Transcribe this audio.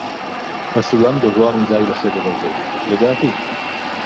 הסולם גבוה מדי לחדר הזה, לדעתי.